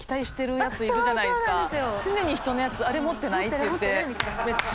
常に人のやつ「あれ持ってない？」って言って。